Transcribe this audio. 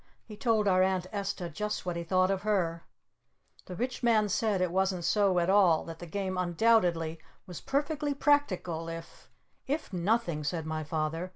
He told our Aunt Esta just what he thought of her! The Rich Man said it wasn't so at all! That the Game undoubtedly was perfectly practical if "If nothing!" said my Father.